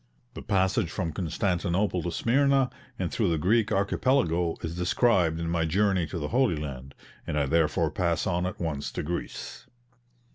The passage from Constantinople to Smyrna, and through the Greek Archipelago is described in my journey to the Holy Land, and I therefore pass on at once to Greece.